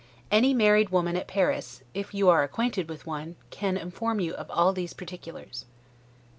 Any married woman at Paris (IF YOU ARE ACQUAINTED WITH ONE) can inform you of all these particulars.